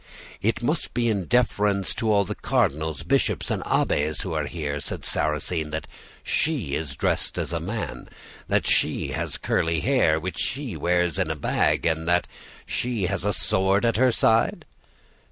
"'It must be in deference to all the cardinals, bishops, and abbes who are here,' said Sarrasine, 'that she is dressed as a man, that she has curly hair which she wears in a bag, and that she has a sword at her side?